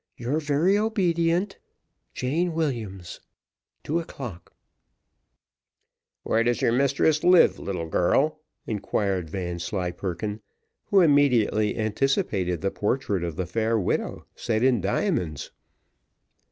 "Your very obedient, "JANE WILLIAMS." Two o'clock. "Where does your mistress live, little girl?" enquired Vanslyperken, who immediately anticipated the portrait of the fair widow set in diamonds.